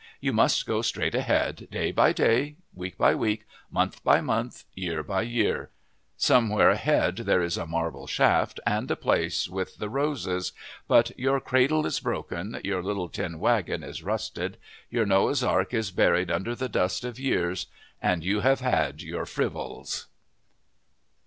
You must go straight ahead, day by day, week by week, month by month, year by year! Somewhere ahead there is a marble shaft, and a place with the roses; but your cradle is broken, your little tin wagon is rusted, your Noah's Ark is buried under the dust of years and you have had your frivols!